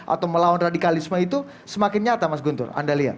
atau melawan radikalisme itu semakin nyata mas guntur anda lihat